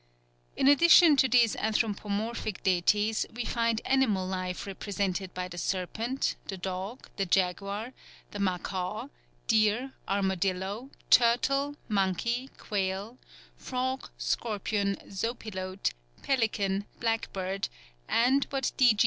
In addition to these anthropomorphic deities we find animal life represented by the serpent, the dog, the jaguar, the macaw, deer, armadillo, turtle, monkey, quail, frog, scorpion, zopilote, pelican, blackbird, and what D. G.